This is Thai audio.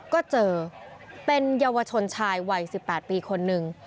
ก็เจอเป็นเยาวชนชายวัย๑๘ปีคนนึง